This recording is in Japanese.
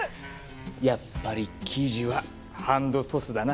やっぱり生地はハンドトスだな。